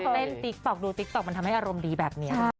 ติ๊กต๊อกดูติ๊กต๊อกมันทำให้อารมณ์ดีแบบนี้